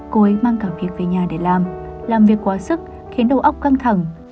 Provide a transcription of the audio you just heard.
cô ấy mang cả việc về nhà để làm làm việc quá sức khiến đầu óc căng thẳng